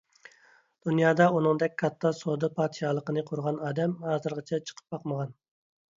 دۇنيادا ئۇنىڭدەك كاتتا سودا پادىشاھلىقىنى قۇرغان ئادەم ھازىرغىچە چىقىپ باقمىغان.